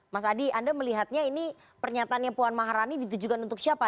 mas adi anda melihatnya ini pernyataannya puan maharani ditujukan untuk siapa